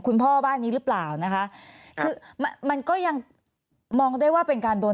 คุณพ่อบ้านนี้หรือเปล่านะคะคือมันก็ยังมองได้ว่าเป็นการโดน